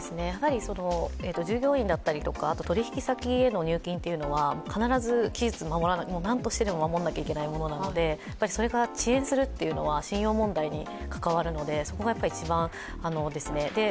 従業員だったり、取引先への入金というのは必ず期日を何としてでも守らなければいけないものなのでそれが遅延するというのは信用問題に関わるのでそこがやっぱり一番です。